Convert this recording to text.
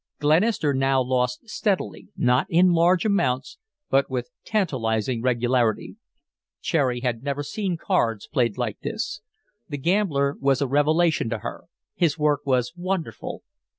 Glenister now lost steadily, not in large amounts, but with tantalizing regularity. Cherry had never seen cards played like this. The gambler was a revelation to her his work was wonderful.